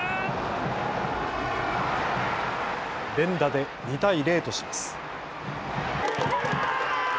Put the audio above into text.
連打で２対０とします。